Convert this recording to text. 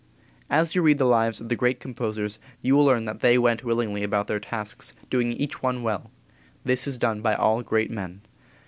As you read the lives of the great composers you will learn that they went willingly about their tasks, doing each one well. This is done by all great men.